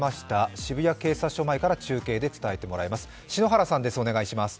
渋谷警察署前から中継で伝えてもらいます。